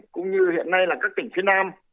cũng như hiện nay là các tỉnh phía nam